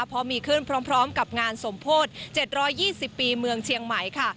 เพราะมีขึ้นพร้อมกับงานสมโพธิ๗๒๐ปีเมืองเชียงใหม่ค่ะ